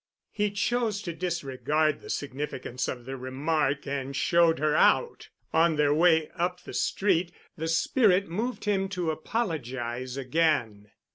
He chose to disregard the significance of the remark and showed her out. On their way up the street the spirit moved him to apologize again.